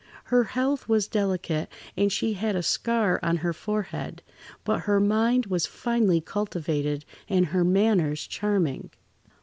Her health was delicate and she had a scar on her forehead, but her mind was finely cultivated and her manners charming.